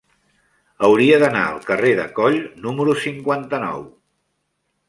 Hauria d'anar al carrer de Coll número cinquanta-nou.